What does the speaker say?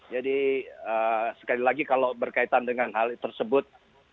jadi sekali lagi kalau berkaitan dengan hal tersebut